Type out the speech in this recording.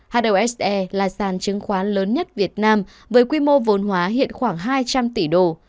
hose là sàn chứng khoán lớn nhất việt nam với quy mô vốn hóa hiện khoảng hai trăm linh tỷ đồng